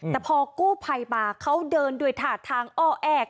แต่พอกู้ภัยมาเขาเดินด้วยถาดทางอ้อแอ